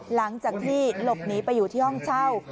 หลังจากที่หลบหนีไปอยู่ที่ห้องเช่า